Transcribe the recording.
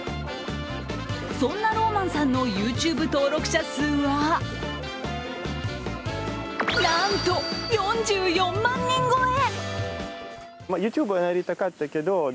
そんなローマンさんのＹｏｕＴｕｂｅ登録者数はなんと４４万人超え！